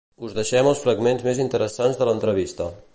Us deixem els fragments més interessants de l'entrevista.